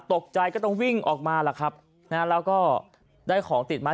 ตกใจก็ต้องวิ่งออกมาล่ะครับนะฮะแล้วก็ได้ของติดมา